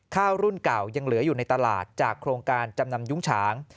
ข้าวรุ่นเก่ายังเหลืออยู่ในตลาดจากโครงการจำนำยุ้งฉาง